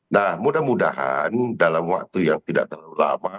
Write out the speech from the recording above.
nah mudah mudahan dalam waktu yang tidak terlalu lama